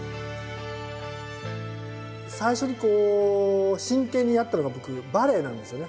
最初にこう真剣にやったのが僕バレエなんですね。